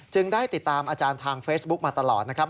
ได้ติดตามอาจารย์ทางเฟซบุ๊กมาตลอดนะครับ